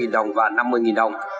một trăm linh đồng và năm mươi đồng